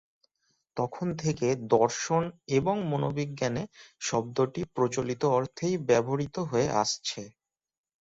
তখন থেকে দর্শন এবং মনোবিজ্ঞানে শব্দটি প্রচলিত অর্থেই ব্যবহৃত হয়ে আসছে।